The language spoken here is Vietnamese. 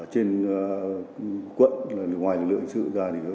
trên quận ngoài lực lượng